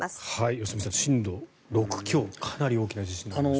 良純さん、震度６強かなり大きな地震がありました。